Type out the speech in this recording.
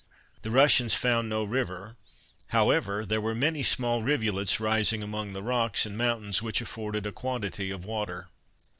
The Russians found no river; however, there were many small rivulets rising among the rocks and mountains, which afforded a quantity of water.